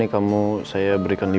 aku nggak pernah ke ososi